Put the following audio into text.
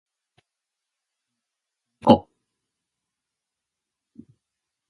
猫